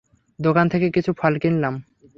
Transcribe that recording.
দোকান থেকে কিছু ফল কিনলাম।